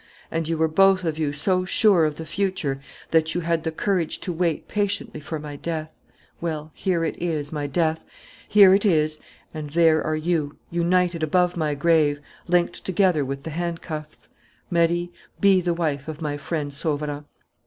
And you were both of you so sure of the future that you had the courage to wait patiently for my death! Well, here it is, my death! Here it is and there are you, united above my grave, linked together with the handcuffs. Marie, be the wife of my friend Sauverand.